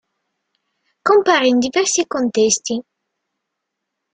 Compare in diversi contesti.